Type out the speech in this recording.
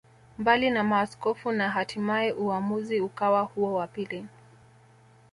Mbali na maaskofu na hatimae uamuzi ukawa huo wa pili